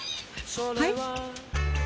はい？